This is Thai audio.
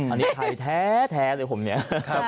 อันนี้ไทยแท้เลยผมเนี่ย